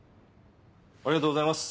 ありがとうございます。